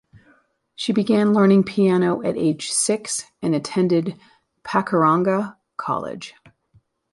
She began learning piano at age six and attended Pakuranga College.